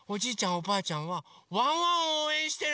おばあちゃんはワンワンをおうえんしてね！